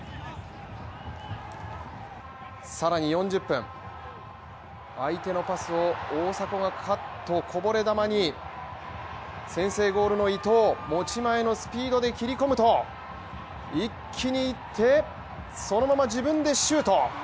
さらに４０分相手のパスを大迫がカットこぼれ球に、先制ゴールの意図を持ち前のスピードで切り込むと、一気に行って、そのまま自分でシュート。